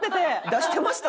出してました？